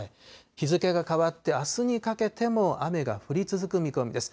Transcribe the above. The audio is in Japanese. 日付が変わって、あすにかけても雨が降り続く見込みです。